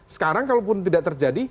sekarang kalau pun tidak terjadi